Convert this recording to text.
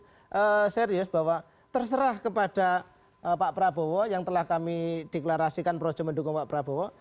dan itu setelah teman serius bahwa terserah kepada pak prabowo yang telah kami deklarasikan projem mendukung pak prabowo